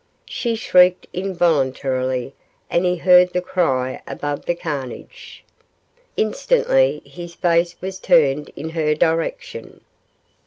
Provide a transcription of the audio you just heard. She shrieked involuntarily and he heard the cry above the carnage. Instantly his face was turned in her direction.